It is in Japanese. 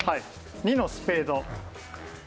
２のスペード。